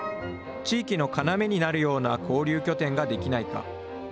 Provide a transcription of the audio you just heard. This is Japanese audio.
地域の要になるような交流拠点ができないか。